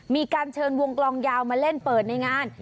มีการเชิญวงกลองยาวมาเล่นเปิดในงาน